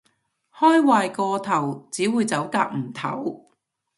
開壞個頭，只會走夾唔唞